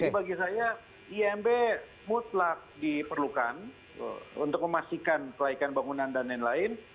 jadi bagi saya imb mutlak diperlukan untuk memastikan kelaikan bangunan dan lain lain